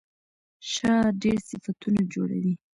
شا ډېر صفتونه جوړوي.